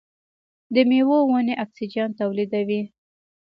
د میوو ونې اکسیجن تولیدوي.